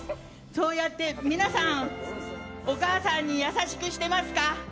そうやって、皆さんお母さんに優しくしてますか。